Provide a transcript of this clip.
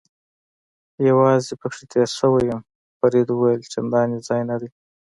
یوازې پکې تېر شوی یم، فرید وویل: چندان ځای نه دی.